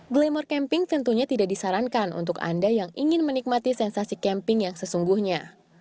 glamour camping tentunya tidak disarankan untuk anda yang ingin menikmati sensasi camping yang sesungguhnya